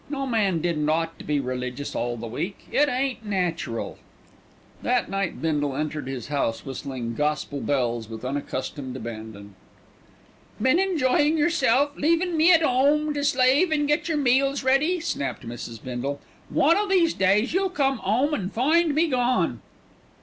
No man didn't ought to be religious all the week. It ain't natural." That night Bindle entered his house whistling "Gospel Bells" with unaccustomed abandon. "Been enjoyin' yerself, leavin' me at 'ome to slave and get yer meals ready," snapped Mrs. Bindle. "One o' these days you'll come 'ome and find me gone."